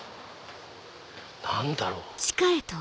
何だろう？